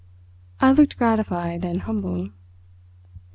I looked gratified and humble.